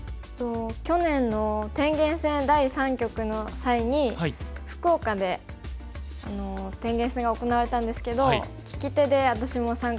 去年の天元戦第３局の際に福岡で天元戦が行われたんですけど聞き手で私も参加した時に。